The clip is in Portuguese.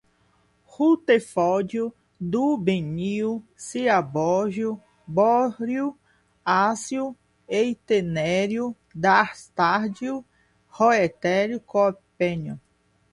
rutherfórdio, dúbnio, seabórgio, bóhrio, hássio, meitnério, darmstádtio, roentgênio, copernício, nihônio